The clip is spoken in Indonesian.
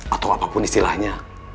atau apapun istilahnya